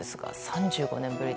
３５年ぶり。